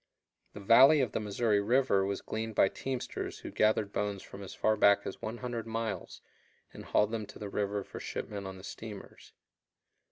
The valley of the Missouri River was gleaned by teamsters who gathered bones from as far back as 100 miles and hauled them to the river for shipment on the steamers.